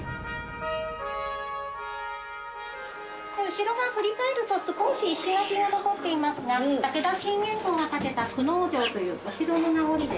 後ろ側振り返ると少し石垣が残っていますが武田信玄公が建てた久能城というお城の名残で。